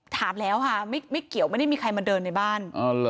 ถามแล้วค่ะไม่เกี่ยวไม่ได้มีใครมาเดินในบ้าน